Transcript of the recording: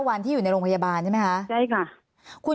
วันที่อยู่ในโรงพยาบาลใช่ไหมคะใช่ค่ะ